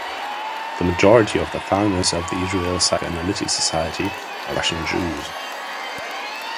The majority of the founders of the Israel Psychoanalytic Society are Russian Jews.